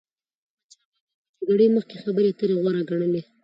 احمدشا بابا به د جګړی مخکي خبري اتري غوره ګڼلې.